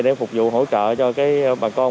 để phục vụ hỗ trợ cho cái bà con